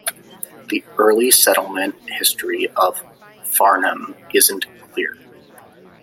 The early settlement history of Farnham isn't clear.